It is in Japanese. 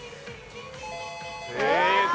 正解。